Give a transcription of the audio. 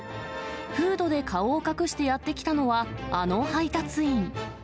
フードで顔を隠してやって来たのは、あの配達員。